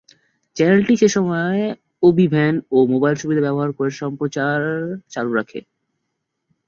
চ্যানেলটি সেসময় OB van এবং মোবাইল সুবিধা ব্যবহার করে সম্প্রচার চালু রাখে।